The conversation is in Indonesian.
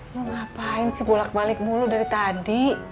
mau ngapain sih bolak balik mulu dari tadi